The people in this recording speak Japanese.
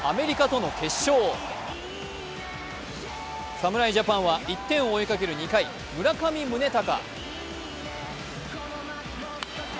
侍ジャパンは１点を追いかける２回、村上宗隆。